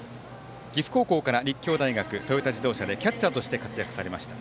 岐阜高校から立教大学トヨタ自動車でキャッチャーとして活躍されました。